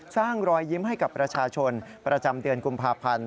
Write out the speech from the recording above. รอยยิ้มให้กับประชาชนประจำเดือนกุมภาพันธ์